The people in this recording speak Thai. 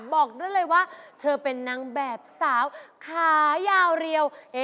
บอกด้วยเลยว่าเธอเป็นนางแบบสาวขายาวเรียว